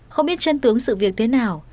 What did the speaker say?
không biết chân tướng sự việc thế nào